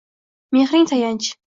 Mehring tayanch